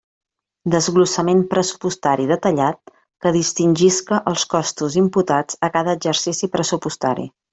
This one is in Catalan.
Desglossament pressupostari detallat que distingisca els costos imputats a cada exercici pressupostari.